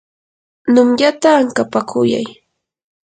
numyata ankapakuyay.